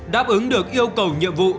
đáp ứng được yêu cầu nhiệm vụ